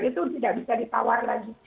itu tidak bisa ditawar lagi